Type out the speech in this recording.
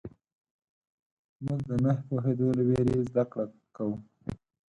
موږ د نه پوهېدو له وېرې زدهکړه کوو.